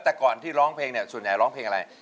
แต่ก่อนที่ร้องเพลงเนี่ยส่วนใหญ่ร้องเพลงอะไร